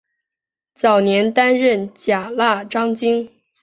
早年担任甲喇章京。